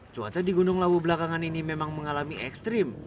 cuaca di gunung lawu belakangan ini memang mengalami ekstrim